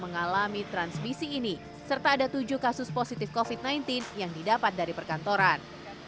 mengalami transmisi ini serta ada tujuh kasus positif kofit sembilan belas yang didapat dari perkantoran